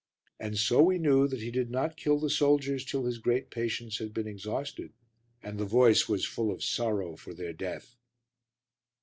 And so we knew that he did not kill the soldiers till his great patience had been exhausted and the voice was full of sorrow for their death.